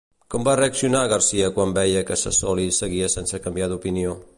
Com va reaccionar García quan veia que Sassoli seguia sense canviar d'opinió?